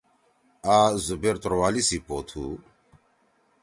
آ زبیر توروالی سی پو تُھو۔